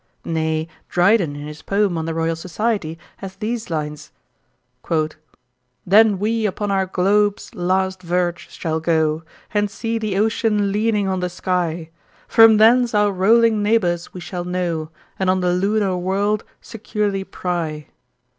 'Nay, Dryden in his poem on the Royal Society, has these lines: "Then we upon our globe's last verge shall go, And see the ocean leaning on the sky; From thence our rolling neighbours we shall know, And on the lunar world securely pry."'